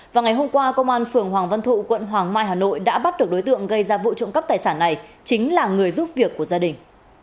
và ngày hôm qua công an phường hoàng văn thụ quận hoàng mai hà nội đã bắt được đối tượng gây ra vụ trộm cắp tài sản này chính là người giúp việc của gia đình